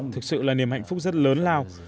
thực sự là niềm hạnh phúc rất lớn lao